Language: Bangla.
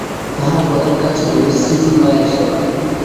তাঁহার প্রধান কাজ ছিল শ্রীশ্রীমায়ের সেবা।